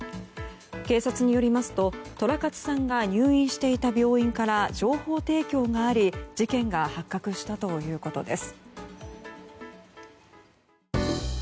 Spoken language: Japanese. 警察によりますと寅勝さんが入院していた病院から情報提供があり事件が発覚したということです。